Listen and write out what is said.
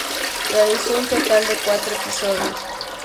Realizó un total de cuatro episodios.